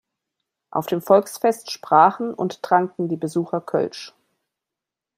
Auf dem Volksfest sprachen und tranken die Besucher Kölsch.